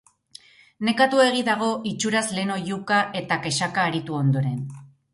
Nekatuegi dago itxuraz lehen oihuka eta kexaka aritu ondoren.